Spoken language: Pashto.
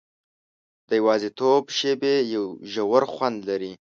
د یوازیتوب شېبې یو ژور خوند لري.